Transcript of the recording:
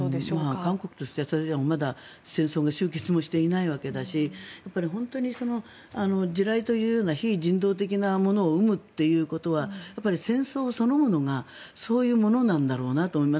韓国としては、それでもまだ戦争が終結していないわけだし本当に地雷というような非人道的なものを生むということは戦争そのものがそういうものなんだろうなと思います。